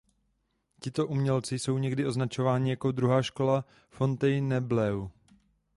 Tito umělci jsou někdy označováni jako "druhá škola Fontainebleau".